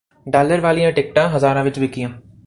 dollar ਵਾਲੀਆਂ ਟਿਕਟਾਂ ਹਜ਼ਾਰਾਂ ਵਿੱਚ ਵਿਕੀਆਂ